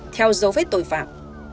theo dấu vết tội phạm